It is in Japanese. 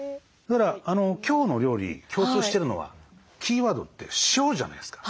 今日の料理共通してるのはキーワードって「塩」じゃないですか。